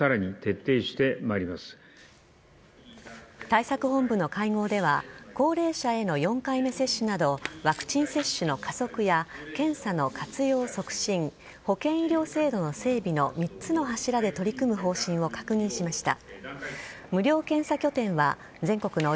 対策本部の会合では高齢者への４回目接種などワクチン接種の加速や検査の活用促進保健医療制度の整備の３つの柱で取り組む方針を確認しました。